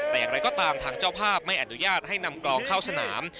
แต่อย่างไรก็ตามทางเจ้าภาพไม่อนุญาตให้นำกลองเข้าสนาม